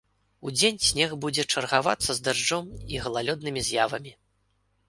Удзень снег будзе чаргавацца з дажджом і галалёднымі з'явамі.